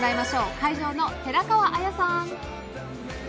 会場の寺川綾さん。